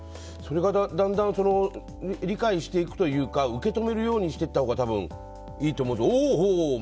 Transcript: それがだんだん理解していくというか受け止めるようにしていったほうがいいと思うんです。